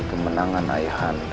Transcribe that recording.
hari kemenangan ayah anda